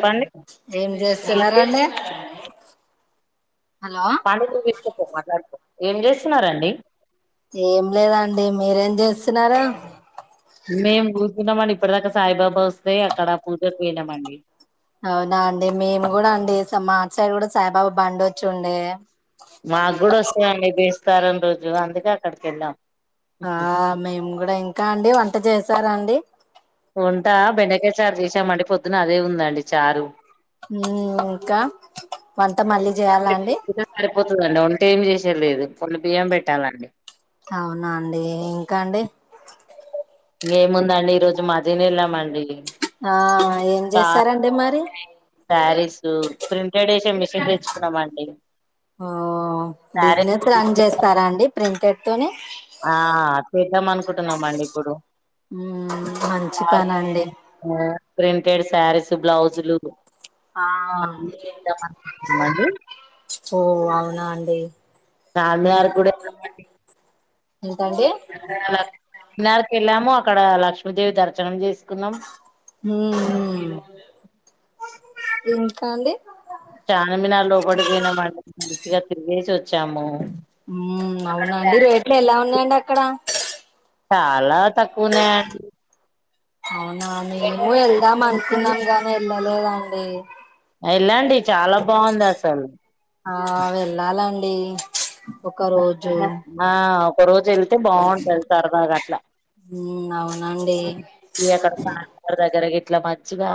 చెప్పండి ఏం చేస్తున్నారండి హలో పానీపూరి తీసుకొచ్చి మాట్లాడుతూ ఏం చేస్తున్నారంండి చేస్తున్నారా మేము [unintelligible] ఇప్పటి దాకా సాయిబాబా వస్తే అక్కడ పూజ పోయినామండి అవునా అండి మేము కూడా అండి మా సైడ్ కూడా సాయిబాబా బండి వచ్చి ఉండే మాకు కూడా వస్తేమండి బేస్తవరం రోజు అందుకే అక్కడికి వెళ్ళాం ఆ మేము కూడా ఇంకా అండి వంట చేసారండి ఉంట బెండకాయ చారు చేసామండి పొద్దున అదే ఉందండి చారు మ్మ్ ఇంకా వంట మళ్ళీ చేయాల అండి ఇంకా ఏం చేసారు లేదు కొన్ని బియ్యం పెట్టాలండి అవునా అండి ఇంకా అండి ఇంకేముందండి ఈ రోజు [unintelligible] వెళ్ళామండి ఆ ఏం చార్ చేస్తారండి మరి శారీస్ ప్రింటెడ్ వేసే మిషన్ తెచ్చుకున్నామండి శారీస్ బిజినెస్ రన్ చేస్తారాడి ప్రింటెడ్ తోనీ ఆ చేద్దాం అనుకుంటున్నాం అండి ఇప్పుడు ఉమ్ మంచి పని అండి [unintelligible] ఒకేడ్ శారీస్ బ్లౌజులు ఆ అండి ఓ అవునా అండి ఇను చార్మినార్ కూడా ఎంతండి అలా నాలుకె వెళ్ళాము అక్కడ లక్ష్మీదేవి దర్శనం చేసి కున్నాం ఇంకా అండి చారుమినారు లోపడి పోయినాం అండి ఇగ తినేసి వ ఉ అవునండి రెట్లు ఎలా ఉన్నాయండి అ అక్కడ చాలా తక్కువ ఉన్నయండి అవునా మేము వెళ్దాం అనుకున్నాం గాని వెళ్ళలేదని ఎ ఎల్లండి చాలా బాగుంది అసలు డి ఆ ఒక రోజు వెళ్తే బావుంటది సరదాగ అట్ల అవునండి ఈ అక్కడ పార్క్ దగ్గర గి ఇట్లా మంచిగా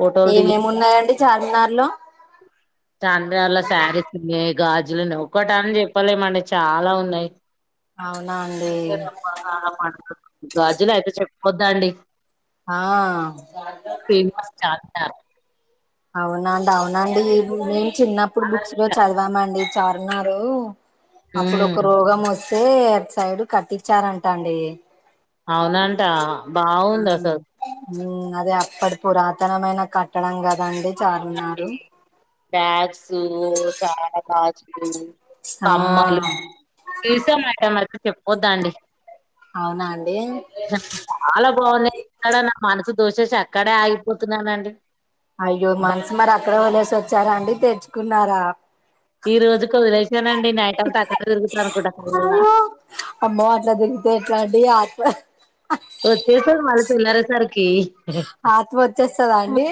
ఫోటోలు దిగి ఏమేమి ఉన్నాయండి చార్మినార్ లో చార్మినార్ లో శారీస్ ఉన్నాయి గాజులున్నాయి ఒక్కట అని చెప్పలేమండి చాలా ఉన్నాయి అవునా అండి గాజులు అయితే చేప్ వద్దండి హ చార్మినార్ అవునండి అవునండి ఇపుడు మీ చిన్నప్పుడు బుక్స్ లో చదివామండి చార్మినారు అప్పుడు హ్మ్ ఒక రోగం వస్ తే అటు సైడు కట్టించారంటండి అవునంట బాగుంది అసలు అది అప్పటి పురాతనమైన కట్టడం కా దండి చార్ బ్యాగ్స్ చాలా గాజు ఉ ఆ తీశామాట మే అందుకే పోతాంది అవునా అండి దోసేసి అక్కడే ఆగిపోతున్నానండి అయ్యో మనసు మరి అక్కడ వలేసి వచ్చారండి తెచ్చుకు ఉన్నారా ఈ రోజు వదిలేసానండి నైట్ అంతా అక్కడ తిరుగుతా అనుకుంటా లాంటిడి ఆప వచ్చేసా మరి తెల్లారేసరికి ఆత్మ వచ్చేస్తదా అండి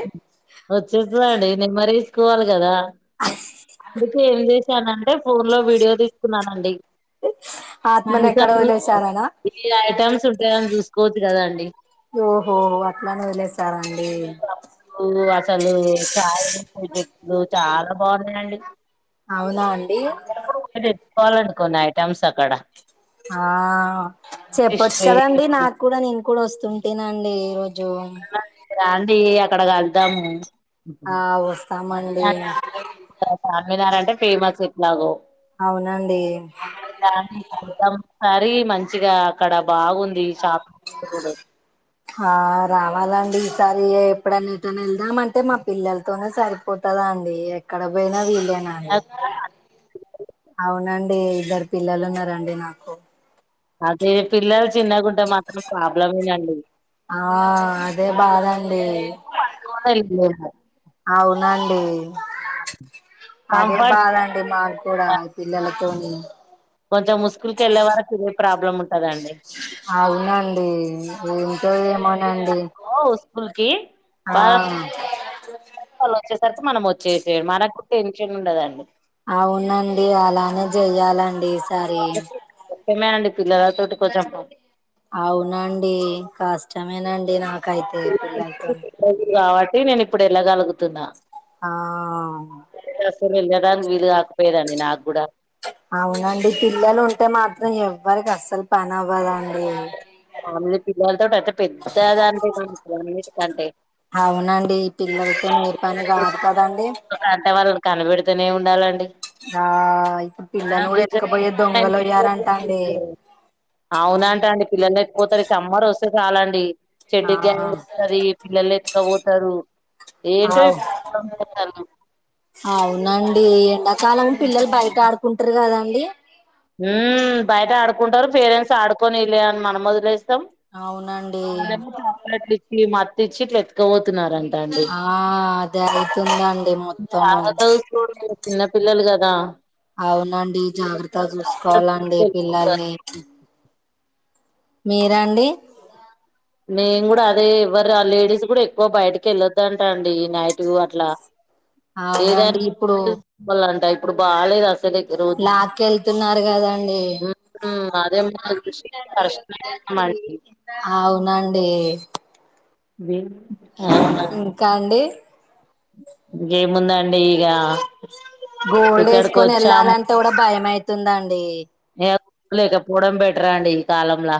వచ్చేసి వడి నేమరేసుకోవాలి కదా అందుకే ఏం చేశానంటే ఫోన్ లో వీడియో తీసుకున్నానండి ఆత్మను ఎక్కడ వదిలేశారనా ఏ ఐటెమ్స్ ఉంటాయని చూస్కు ఓహోహో అట్లానే వదిలేసారా అ అసలు కాయ నువ్వు చాలా బాగున్నాండి అవునా అండి పాలంకోన్నా ఐటమ్స అక్కడ ఆ ఫిష్ చెప్పొచ్చు కదండి వేపుడు నాకు కూడా నేను కూడా వస్తు తుంటినండి ఈ రోజు జు రాండి అక్కడ కలుద్దాము ఆ వస్తామా అండి చార్మినార్ అంటే ఫేమస్ ఎట్లాగో అవునండి [unintelligible] మరి మంచిగా అక్కడ బాగుంది షాప్ కూడా. ఆ రావాలా అండి సరి ఎప్పు డైన ఎటన్నావెళ్దాం అంటే మా పిల్లలతోనే సరిపోతందా అండి ఎక్కడ పోయినా వీళ్ళ అ అవునండి ఇద్దరు పిల్లలు ఉన్నారండి నాకు అదే పిల్లలు చిన్నకుంటే మాత్రం ప్రాబ్లమేనండి ఆ అదే బాదండి అవునండి అదే కంఫర్ట్ బాధ అండి మాక్ కూడా పిల్లలతోని కొంచెం ఉస్కూలుకేళ్లే వరకు ఇదే ప్రాబ్లమ్ ఉంటదండి. ఈ ఏముంటయండి ఉస్కూల్ కి ఆ [unintelligible] వాళ్ళోచేస్త్ వర్క్ మనం వచ్చేసడ్ మనకు టెన్షన్ ఉండదండి. అవునండి అలానే చెయ్యాలండి ఈసారి డిమాండ్ పిల్లగాల తోటి కొంచెం అవునండి కష్టమేనండి నాక్ కైతే పిల్లల్తోనే కాబట్టి నేను ఇప్పుడు ఎళ్ళగలుగుతున్నా ఆ వెళ్ళడానికి వీలు కాకపోయేదండి నాకూడా అవునండి పిల్లలు ఉంటే మాత్రం ఎవరికీ అస్సల్ అవును లే పిల్లలతోటైతే పెద్దదానితోటి అన్నిటికంటే అవునండి ఈ పిల్లలతో మీ పని కాదు కదండి ఇంట్లనే ఉండాలండి ఆ ఇపుడు మనం పిల్లల్ని కూడా ఎత్తుకపోయే దొంగలు అయ్యారంటండి అవునంటా అండి పిల్లల ఎతకపోతారు సమ్మార్ వస్తే చాలండి చెడ్డి ఆ గ్యాంగ్ వస్తది పిల్లల్ని ఎతుక పోత్ తరు ఏంటో అవు ఇప్పుడు అవును ఈ ఎండాకాలం పిల్లలు బయట ఆడుకుంటారు కదండి హ్మ్ బయట ఆడుకుంటారు పేరెంట్స్ ఆడుకొనీయలే అని మనము వదిలేస్ త్తం అవునండి మల్లేమో చాక్లేట్లు లిప్పీ మా తెచ్చి ఇట్లా ఎత్తక వో ఆ జరుగుతుందండి మొత్తము జాగ్రత్తగా చూసుకోండి చిన్న పిల్లలు కదా అవునండి, జాగ్ర త్తగా చూసుకోవాలండి పిల్లల్ని మీరండి నేను కూడా అదే ఎవరు ఆ లేడీస్ కూడా ఎక్కువ బయటకి వెళ్ళొద్దంట అండి నై టూఅట్లా ఏదై అవునండి ఇప్పుడు [unintelligible] ఇపుడు బాలేద్ ఆస్ లాక్కెళ్తున్నారు కదండి ఉమ్ అదే మన దృష్టికి కష్టమయిపోతామండి అవునం డి బీమ్ ఆ ఆ అండి గేముందం డి ఇగ గోల్డ్ ఇక్కడికి వేసుకొని వచ్చాము వెళ్ళాలంటే కూడా భయం అయితుందండి యాప్ లేక గోడం బేటరండి ఈ కాలంలా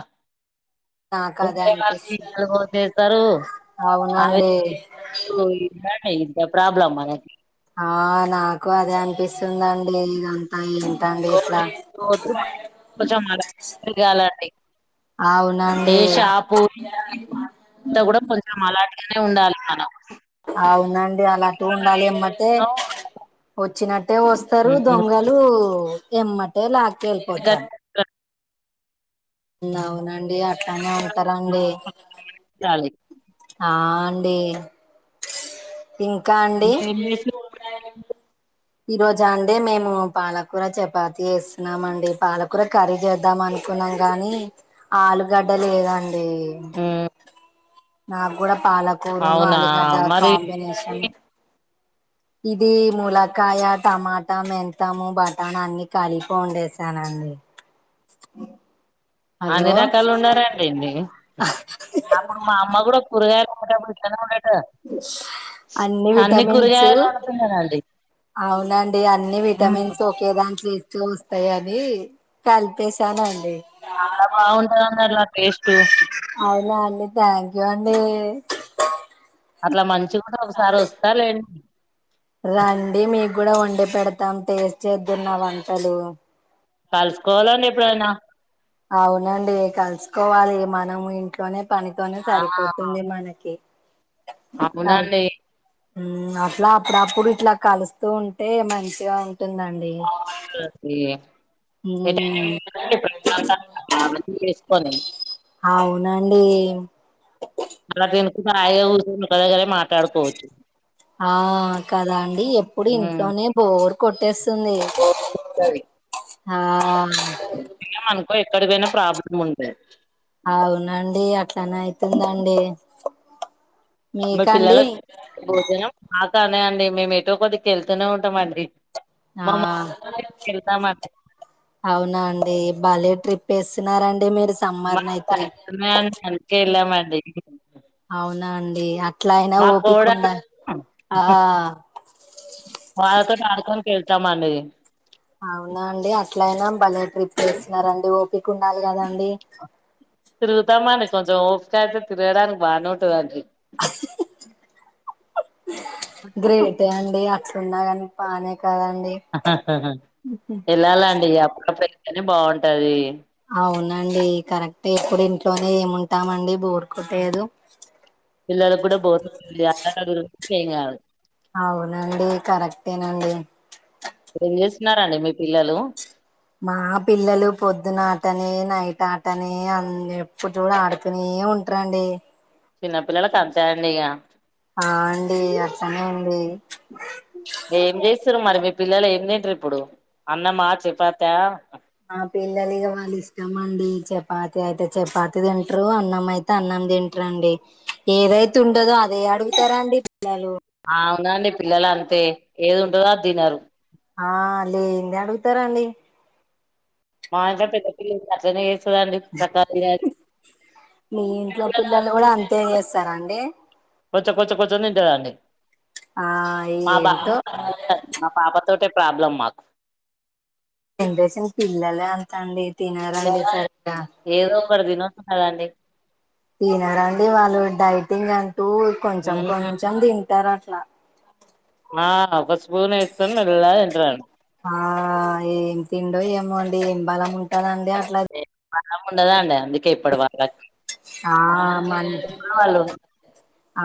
నాకు అదే అనిపిస్తుంది అవునండి [unintelligible] ప్రాబ్లం మనకి ఉందండి ఇగ అంతా ఇగో కోపం [unintelligible] ఏ అవునండి షాపు [unintelligible] కూడా కొంచెం అలాగే ఉండాలి మనం అవునండి అలాంటి ఉండాలి ఏమంటే వచ్చినట్టే వస్తారు ఉమ్ దొంగలు ఎమ్మటే ఇంతగానే ఎలిపోతారు అవునా అండి అట్లానే ఉంటారండి ఉండాలి. ఆ అండి ఇంకా అండి ఇంకేం చేసి- ఈ రోజ అండి మేము పాలకూర చపాతి చేస్తున్నామ అండి పాలకూర కర్రీ చే వద్దాం అనుకున్నాం కానీ ఆలుగడ్డ లేదండి ఉమ్, నాకు కూడా పాలకూరును అవునా అలిగడ్ మరి కాంబినేషన్ ఇది ములకాయ టమాటా మెంతము బటాన్ అన్ని కలిపి వాడేశానండి అన్ని రకాలు [unintelligible] అప్పుడు మా అమ్మ కూడా కూరగాయలు [inaudible] అన్ని విటమిన్స్ కూరగాయలు వండుతున్నదండి అవునండి అన్ని విటమిన్స్ ఒకే దాంట్లో చూస్తాయని కలిపేశాను అండి చాలా బాగుంట [unintelligible] అలా టేస్ట్ అవునా అండి థ్యాంక్ యూ అండి అట్లా మంచి కూడా ఒకసారి వస్తా లేండి రండి మీకు కూడా ఉం పెడతాం టేస్ట్ చెద్దురు నా వంటలు కలుసుకోవాలండి ఎప్పుడైనా అవునండి కలుసుకోవాలి మనం ఇంట్లోనే పనితోనే సరిపోతుంది మనకి అవునా అండి ఊ మ్ అట్లా అప్పుడప్పుడు ఇట్లా కలుస్తూ ఉంటే మంచిగా ఉన్ ఉంటుంది అండి చేసుకోని ఏం మళ్ళ తెనుకు రాయ కడ ఆ కద అండి ఎప్పుడు ఉమ్ ఇంట్లోనే బోర్ కోటెస్ స్తుంది బాగుంటది. ఆ ఎక్కడికి పోయిన ప్రాబ్లం ఉండే యాక్ ఎట్లనో అయితుందండి మరి మీకండి పిల్లలకి భోజనం ఆటడ్ అండి మేము ఎటో కొద్దిగా వెళ్తూనే ఉంటాము అండి ఆ అవునా అండి బాల్య ట్రిప్ వేస్తున్నారండి అంటే మీరు మా సమ్మర్ ను అయితే తగుతున్నాయని అందుకే వెళ్ళామండి అవునా అండి అట్లా అయినా మా కోడలు ఓపికుండాలి ఆ కట్టమండి అవునా అండి అస ఎట్లైనా పల్లె ట్రిప్ ఏస్తున్నార ఓకె కు ఉండాలి కదండి తిరుగుతాం అండి కొంచెం ఓపిక అయితే తిరగడానికి బాగానే ఉంటుందండీ గ్రేటే అండి అక్కలున్నాగాని పనే ఎల్లాలండి అప్పుడ పెని బాగుంటు ట అది అవునండి కరెక్ట్ ఇప్పుడు ఇంట్లోనే ఏముంటామండి బోరుకుట్టేయదు. పిల్లలకు కూడ బోర్ కుట్టియ్యదు చేంగా అవునండి కరెక్టేనండి ఏం చేస్తున్నారండి మీ పిల్లలు మా పిల్లలు పొద్దున ఆటనే నైట్ ఆడ్తానే ఆ ఎప్పుడు చూ ఆడుతూనే ఉంటారండి చిన్నపిల్లలకు అంతేయండి ఇగ ఆ అండి అట్లనే అండి ఏం చేస్తారు మరి మీ పిల్లలు ఏం తింటారు ఇప్పుడు అన్నమా చపాతా ఆ పిల్లలిగా వాళ్ళు ఇష్టమ అండి చపాతి అయితే చపాతి తింటారు అన్నం అయితే అన్నం తింటారండి ఏదైతే ఉండదో అదే అడుగుతారా అండి పిల్లలు నండి పిల్లలు అంతే ఏది ఉంటదో అది తినరు ఆ లేందే అడుగుతారండి మా ఇంట్లో పెద్దపిల్లలు అట్లనే చేస్తారు మీ ఇంట్లో పిల్లలు కూడ అంతే చేస్తార అండి కొంచ కొంచ కొంచెం తింటదండి ఆ మా బాబు ఏంటో ఏమి తింటాడు మా పాప తోటె ప్రాబ్లమ్ మాకు జనరేషన్ పిల్లలే అంత అండి తినరండి సరిగ్గా ఏదో ఒకటి తినొచ్చుకదండి తినరండి వాళ్ళు డైటింగ్ అం టు కొంచెం హ్మ్. కొంచెం తి టారు అట్లా ఆ ఒక స్పూన్ వేసుకొని మెల్లగ తింటారు ఆ ఏమి తిండో ఏమో అండి ఏం బలం ఉంటాందం అట్లా బలం ఉండద అండి ఇప్పటి వాళ్ళకి ఆ మ వాళ్ళు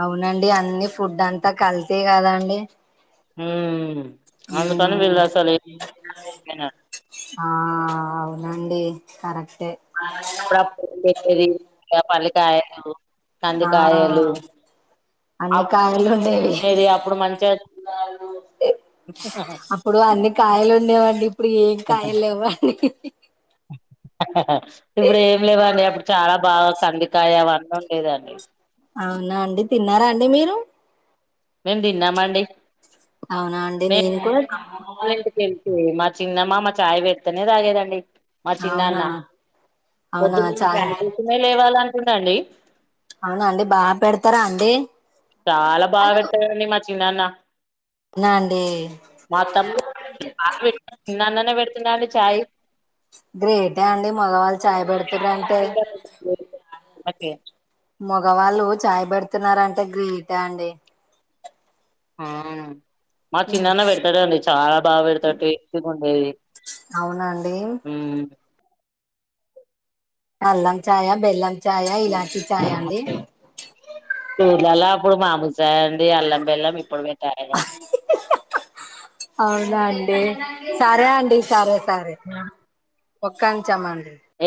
అవునండి అన్ని ఫుడ్ అంతా కల్తీ కదండి ఉమ్ అందుకని మ్మ్ వీళ్లసలు ఏమి తినరు ఆ అవునండి కరెక్టే [unintelligible] కాయలు ఆ అన్ని అప్పుడు కాయలు ఉండేవి తినేది అప్పుడు మంచిగా అప్పుడు అన్ని కాయలు ఉండేవండి ఇప్పుడు ఏం కాయలు లేవండి ఇప్పుడు ఏం లేవండి అప్పుడు చాలా బాగా కందికాయ అవన్నీ ఉన్ లేదండి అవునా అండి తిన్నార అండి మీరు మేము తిన్నామండి అవునా అండి నేను కూడ [unintelligible] చిన్న మామ ఛాయ్ పెడితేనే తాగేదండి మా అవునా చిన్నాన్న అవునా పొద్దున్న చ చాయ్ కోసమే లేవాలంటుండండి అవునా అండి బాగా పెడతారా అండి చాల భాగ పెడతారండి మా చిన్నన్నా నా అండి చాయ గ్రేట్ యే అండి మగవాళ్ళ చాయ పెడుతురంటే ఓకే మగవాళ్ళు చాయ్ పెడుతున్నంరంటే గ్రేట్ అండి ఆ మా చిన్నన్న పెట్టతాడండి చాలా బాగా పెడతాడు టేస్టీ గా ఉండేది అవునండి అల్లం చాయ బెల్లం చాయ ఇలాంటి చాయ అండి టూర్లలో అప్పుడు మాముూలు చాయి అండి అల్లం బెల్లం ఇప్పుడ కాయర అవునా అండి సరే అండి సరే సరే ఒక్కంగ్ చమండ్రి